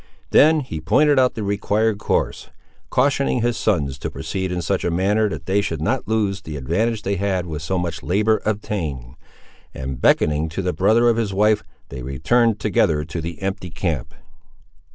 Then he pointed out the required course, cautioning his sons to proceed in such a manner that they should not lose the advantage they had with so much labour obtained, and beckoning to the brother of his wife, they returned together to the empty camp.